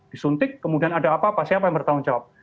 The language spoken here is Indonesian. disuntik kemudian ada apa apa siapa yang bertanggung jawab